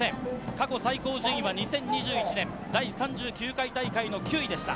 過去最高順位は２０２１年、第３９回大会の９位でした。